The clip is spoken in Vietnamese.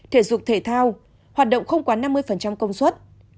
thể dục thể thao hoạt động không quá năm mươi công suất